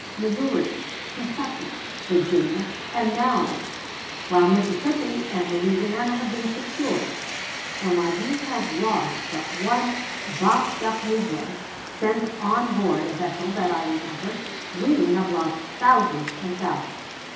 Missouri, Kentucky, Virginia, and Maryland, while Mississippi and Louisiana have been secure; and while you have lost but one boxed up negro, sent on board a vessel, that I remember, we have lost thousands and thousands.